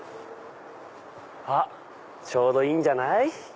あっちょうどいいんじゃない？